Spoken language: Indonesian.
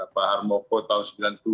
pak harmoko tahun sembilan puluh tujuh